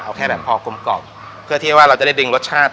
เอาแค่แบบพอกลมกล่อมเพื่อที่ว่าเราจะได้ดึงรสชาติ